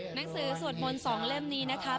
หนังสือสวดมนต์๒เล่มนี้นะคะ